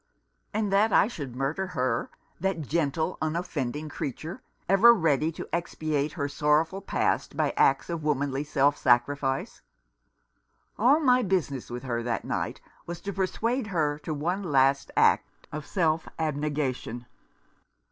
"And that I should murder her, that gentle, unoffending creature, ever ready to expiate her sorrowful past by acts of womanly self sacrifice. All my business with her that night was to per suade her to one last act of self abnegation.